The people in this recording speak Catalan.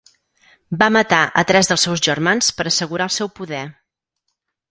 Va matar a tres dels seus germans per assegurar el seu poder.